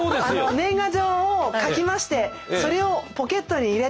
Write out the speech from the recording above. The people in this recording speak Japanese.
年賀状を書きましてそれをポケットに入れて。